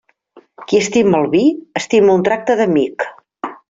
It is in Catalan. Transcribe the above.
Qui estima el vi estima un tracte d'amic.